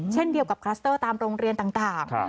เช่นเดียวกับคลัสเตอร์ตามโรงเรียนต่าง